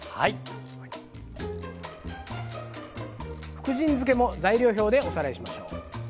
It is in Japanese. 福神漬けも材料表でおさらいしましょう。